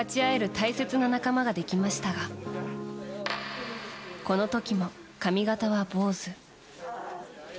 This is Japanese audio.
大切な仲間ができましたがこの時も髪形は、坊主。